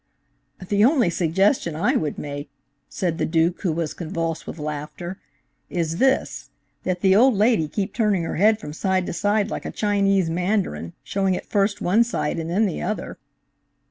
"The only suggestion I would make," said the Duke, who was convulsed with laughter, "is this; that the old lady keep turning her head from side to side like a Chinese Mandarin, showing first one side and then the other."